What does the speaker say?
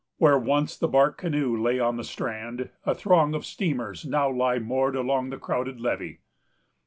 Where once the bark canoe lay on the strand, a throng of steamers now lie moored along the crowded levee.